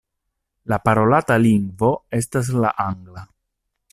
La parolata lingvo estas la angla.